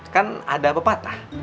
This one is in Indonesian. kan ada bepatah